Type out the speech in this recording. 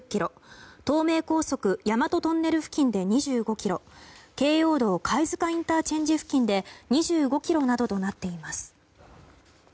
東名高速大和トンネル付近で２５ｋｍ京葉道貝塚ＩＣ付近で２５ｋｍなどとなっています。